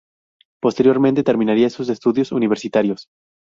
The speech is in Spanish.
Posteriormente terminaría sus estudios universitarios.